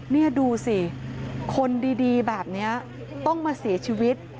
นี่ดูสิคนดีแบบนี้ต้องมาเสียชีวิต